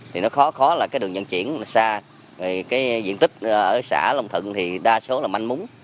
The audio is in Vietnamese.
thì nó khó khó là cái đường dẫn chuyển xa cái diện tích ở xã long thận thì đa số là manh múng